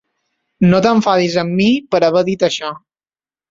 No t'enfadis amb mi per haver dit això.